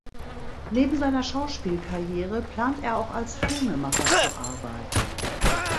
Neben seiner Schauspielkarriere plant er auch als Filmemacher zu arbeiten.